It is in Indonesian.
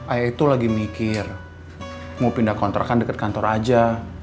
ayah itu lagi mikir mau pindah kontrakan deket kantor aja